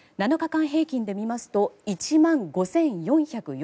７日間平均で見ますと１万５４４６人。